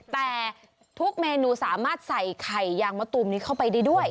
แต่ทุกเมนูสามารถใส่ไข่ยางมะตูมนี้เข้าไปได้ด้วย